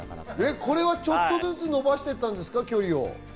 これはちょっとずつ距離を伸ばしていったんですか？